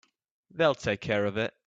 They'll take care of it.